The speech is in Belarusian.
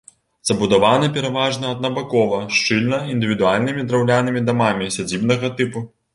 Забудавана пераважна аднабакова, шчыльна, індывідуальнымі драўлянымі дамамі сядзібнага тыпу.